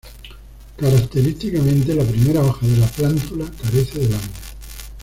Característicamente, la primera hoja de la plántula carece de lámina.